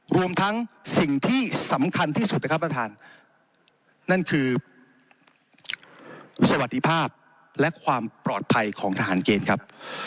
รวมทั้งสิ่งที่สำคัญที่สุดนะครับประธานนั่นคือสวัสดิภาพและความปลอดภัยของทหารเกณฑ์ครับ